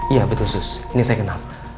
iya betul sus ini saya kenal